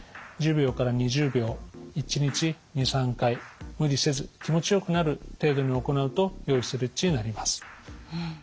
１０秒から２０秒１日２３回無理せず気持ちよくなる程度に行うとよいストレッチになります。